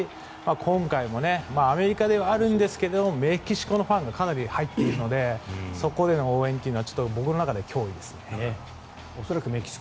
今回もアメリカではあるんですがメキシコのファンがかなり入っているのでそこでの応援というのは僕の中では脅威ですね。